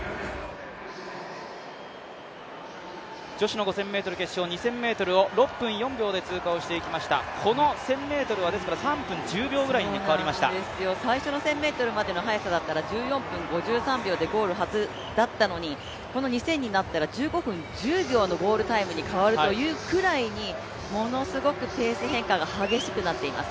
女子の５０００ｍ決勝、２０００ｍを６分４秒で通過をしてきました、この１０００ｍは最初の１０００ｍまでの速さだったら１４分５３秒でゴールするはずだったのにこの２０００になったら１２分１０秒くらいに変わるというくらいにものすごくペース変化が激しくなっています。